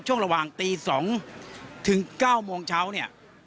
ช่วงระหว่างตี๒ถึง๙โมงเช้าเนี่ย